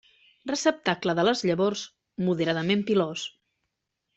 Receptacle de les llavors moderadament pilós.